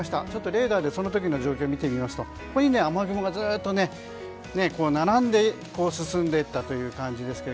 レーダーでその時の状況を見てみますと雨雲がずっと並んで進んでいったという感じですが。